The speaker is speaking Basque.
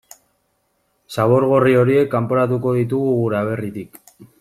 Zabor gorri horiek kanporatuko ditugu gure aberritik.